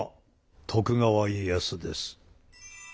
徳川家康です。